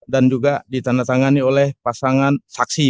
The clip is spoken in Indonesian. dan juga ditandatangani oleh pasangan saksi